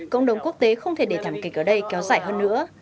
cộng đồng quốc tế không thể để thảm kịch ở đây kéo dài hơn nữa